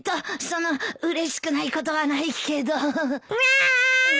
そのうれしくないことはないけど。